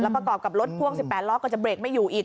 ประกอบกับรถพ่วง๑๘ล้อก็จะเบรกไม่อยู่อีก